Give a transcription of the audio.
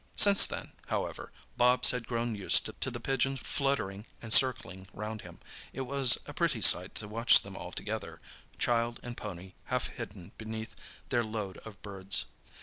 Since then, however, Bobs had grown used to the pigeons fluttering and circling round him. It was a pretty sight to watch them all together, child and pony half hidden beneath their load of birds.